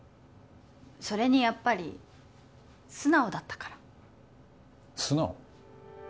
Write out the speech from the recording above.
それにやっぱり素直だったから素直？